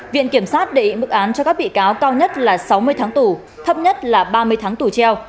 viện kiểm sát đề nghị mức án cho các bị cáo cao nhất là sáu mươi tháng tù thấp nhất là ba mươi tháng tù treo